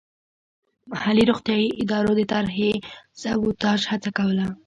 محلي روغتیايي ادارو د طرحې د سبوتاژ هڅه کوله.